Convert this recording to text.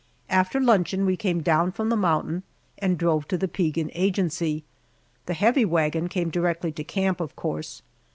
After luncheon we came down from the mountain and drove to the Piegan Agency. The heavy wagon came directly to camp, of course.